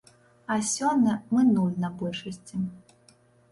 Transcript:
А сёння мы нуль на большасці.